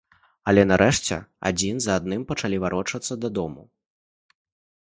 Але, нарэшце, адзін за адным пачалі варочацца дадому.